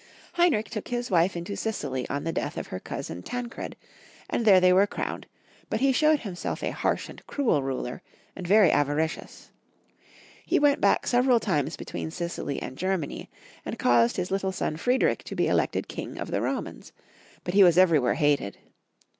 Heinrich took his wife into Sicily on the death of her cousin Tancred, and they were there crowned ; but he showed himself a harsh and cruel ruler, and very avaricious. He went back several times be tween Sicily and Germany, and caused his little, son Friedrich to be elected King of the Romans, but he was everywhere hated.